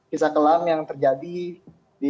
kisah kelam yang terjadi di